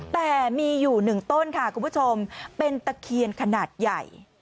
แต่มีอยู่๑ต้นค่ะคุณผู้ชมเป็นตะเคียนขนาดใหญ่